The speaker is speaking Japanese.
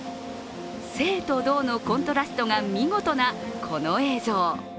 静と動のコントラストが見事なこの映像。